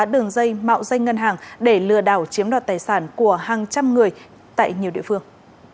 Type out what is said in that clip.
đường dây mạo danh ngân hàng để lừa đảo chiếm đoạt tài sản của hàng trăm người tại nhiều địa phương